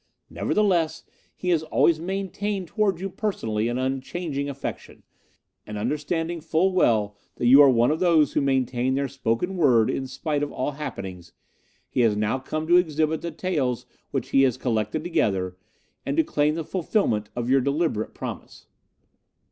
Nevertheless, he has always maintained towards you personally an unchanging affection, and understanding full well that you are one of those who maintain their spoken word in spite of all happenings, he has now come to exhibit the taels which he has collected together, and to claim the fulfilment of your deliberate promise.